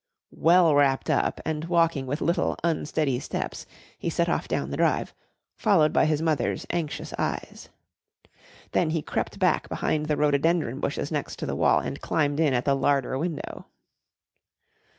Well wrapped up and walking with little, unsteady steps, he set off down the drive, followed by his mother's anxious eyes. Then he crept back behind the rhododendron bushes next to the wall and climbed in at the larder window.